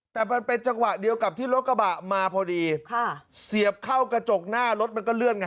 แต่มันเป็นจังหวะเดียวกับที่รถกระบะมาพอดีค่ะเสียบเข้ากระจกหน้ารถมันก็เลื่อนไง